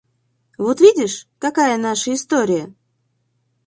Вот видишь, какая наша история!